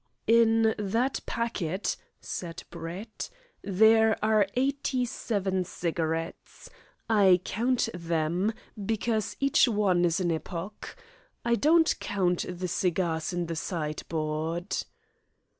"In that packet," said Brett, "there are eighty seven cigarettes. I count them, because each one is an epoch. I don't count the cigars in the sideboard."